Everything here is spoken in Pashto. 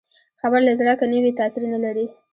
خبره له زړه که نه وي، تاثیر نه لري